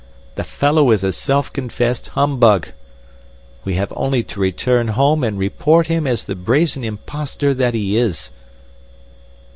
The fellow is a self confessed humbug. We have only to return home and report him as the brazen imposter that he is."